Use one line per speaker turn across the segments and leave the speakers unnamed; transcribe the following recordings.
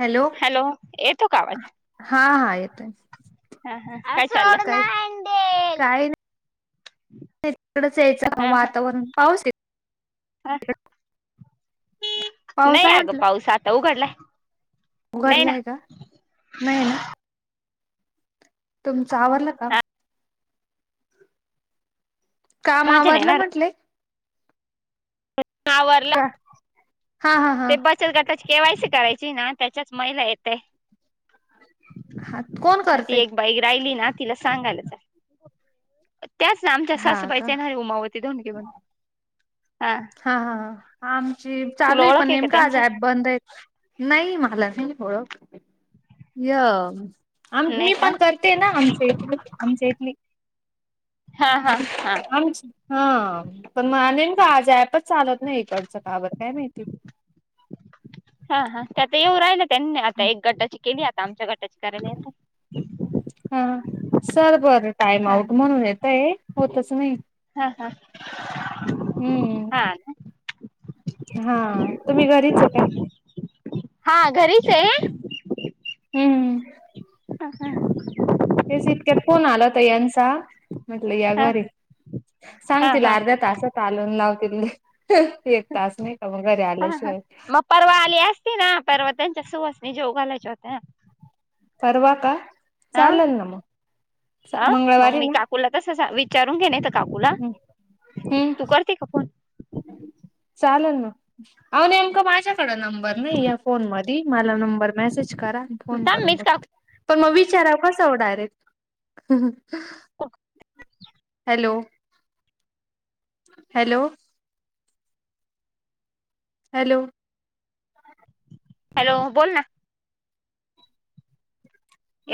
Hello
येतो का आवाज
हा हा येत आहे. काय
[unintelligible]
तिकडच यायचं
हा हा
वातावरण पाऊस ये
हा
[unintelligible] पाऊस आहे म्हटलं.
देव उघडलाय. नाही ना
उघडलाय का नाही ना. तुमच आवरलं का?
हा
काम
माझ्या नाही
आवारल
ना
म्हटले.
[unintelligible]
का हा हा हा.
ते गटाची केवायसी करायची ना त्याच्याच महिला येताय.
हा कोण
म ती
करते
एक बाई राहिली ना तिला सांगायलाच त्याच आमच्या
हा का
सासूबाईचा ना उमाव [unintelligible]
हा हा हा आमची
तुला
चालू आहे
ओळख
पण
का
नेमका आज
त्यांची
ऍप बंद आहे. नाही मला नाही ओळख य आम
नाही
मी
का
पण करते ना आमच्या इथ आमच्या इथली
हा हा हा.
आमची हा पण मानेन का आज ऍपच चालत नाही इकडचं काबर काय माहिती.
हा हा त्याता येऊ राहिलं त्यांनी आता एक गटाची केली आता आमच्या गटा
हा सर बरं टाइम
हा
आउट म्हणून येतय होतच नाही.
हा हा हा
हम्म
का.
हा तुम्ही घरीच आहे काय.
हा घरीच आहे,
हम्म,
अ हा [unintelligible]
तेच इतक्यात फोन, आला होता यांचा, म्हटलं या
हा
घरी, सांग
हा हा
तला अर्ध्या तासात आलून लावतील, एक तास नाही का, मग घरी
हा हा
आल्याशिवाय,
मग परवा आली असती ना, परवा त्यांच्या सुहसणी जेव घालायच्या होत्या,
परवा का,
हा
चालेल ना मग,
हा मग
मंगळवारी
मी
ना,
काकूला तस विचारून घे, नाहीेत काकूला
हम्म हम्म
तू करते का फोन,
चालेल ना, आव नेमकं माझ्या माझा कड नंबर नाही या, फोन मध्ये मला नंबर मेसेज करा, फोन
थांब
करून
मीच
बघते.
काकू
पण मग, विचाराव कसं direct,
[unintelligible]
hello? Hello! Hello?
Hello? बोल ना,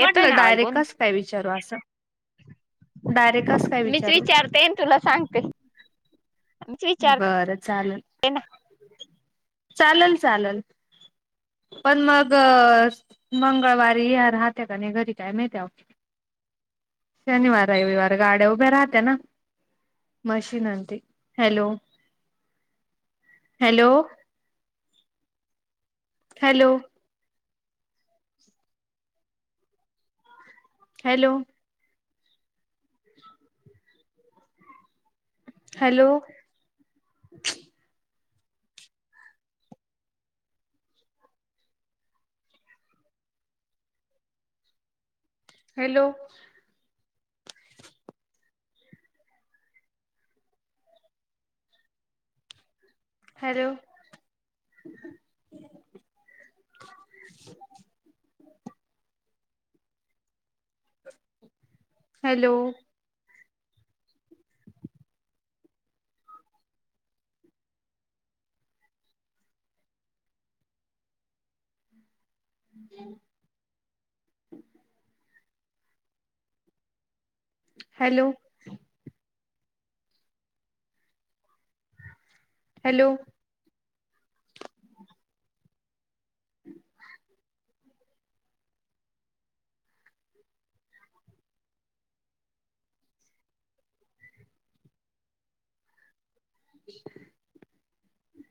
येतोय ना आवाज बोल
डायरेक्टस काय विचारू असं, डायरेक्ट असं,
मीच विचारतेन आणि तुला सांगते, मीच
बरं चालेल
विचारते ना,
चालेल, चालेल, पण मग मंगळवारी राहत्या, का नाही घरी कायम त्या्या, शनिवार, रविवार, गाड्या उभे राहते ना, मशीनआणते, hello? Hello! Hello? Hello! Hello, hello! Hello, [unintelligible] hello! [unintelligible] Hello! Hello? [unintelligible] [unintelligible]